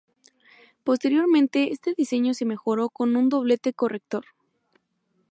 Posteriormente este diseño se mejoró con un doblete corrector.